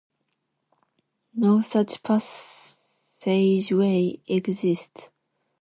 No such passageway exists.